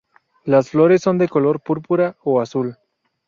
Las flores son de color púrpura o azul.